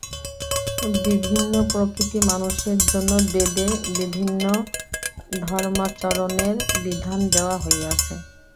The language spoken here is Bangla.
বিভিন্ন-প্রকৃতি মানুষের জন্য বেদে বিভিন্ন ধর্মাচরণের বিধান দেওয়া হইয়াছে।